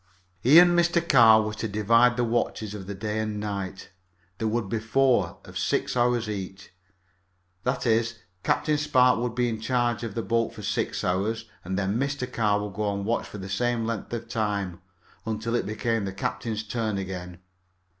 He and Mr. Carr were to divide the watches of the day and night. There would be four, of six hours each. That is, Captain Spark would be in charge of the boat for six hours, and then Mr. Carr would go on watch for the same length of time, until it became the captain's turn again.